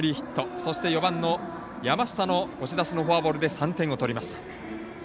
そして、４番の山下の押し出しのフォアボールで３点を取りました。